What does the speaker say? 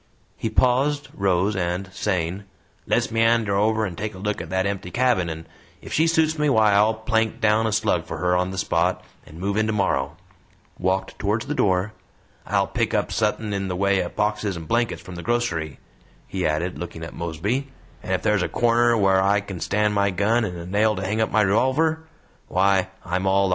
He paused, rose, and saying, "Let's meander over and take a look at that empty cabin, and ef she suits me, why, I'll plank down a slug for her on the spot, and move in tomorrow," walked towards the door. "I'll pick up suthin' in the way o' boxes and blankets from the grocery," he added, looking at Mosby, "and ef thar's a corner whar I kin stand my gun and a nail to hang up my revolver why, I'm all thar!"